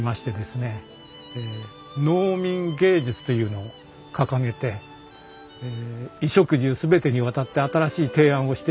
農民藝術というのを掲げて衣食住全てにわたって新しい提案をしていくわけです。